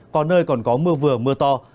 có nơi còn có mưa vừa mưa to